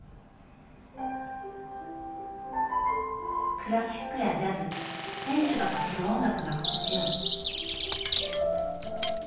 クラシックやジャズ店主がかける音楽が心地よい。